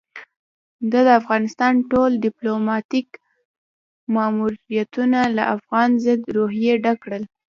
ده د افغانستان ټول ديپلوماتيک ماموريتونه له افغان ضد روحيې ډک کړل.